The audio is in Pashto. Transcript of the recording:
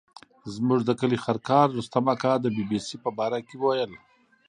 زموږ د کلي خرکار رستم اکا د بي بي سي په باره کې ویل.